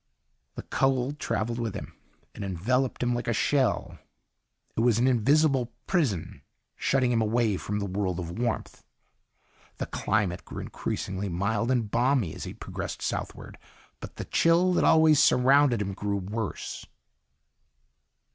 The cold traveled with him. It enveloped him like a shell. It was an invisible prison, shutting him away from the world of warmth. The climate grew increasingly mild and balmy as he progressed southward. But the chill that always surrounded him grew worse.